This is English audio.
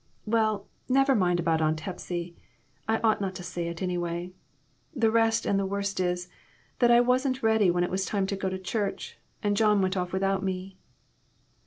"Well, never mind about Aunt Hepsy; I ought not to say it, anyway. The rest and the worst is, that I wasn't ready when it was time to go to church, and John went off without me."